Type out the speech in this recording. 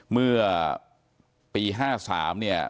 เมื่อปี๕๓เนี่ย